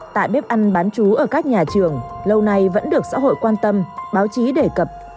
tại bếp ăn bán chú ở các nhà trường lâu nay vẫn được xã hội quan tâm báo chí đề cập